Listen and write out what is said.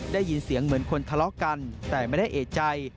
ได้ยินเสียงเหมือนคนทะเลาะกันแต่ไม่ได้เอกใจ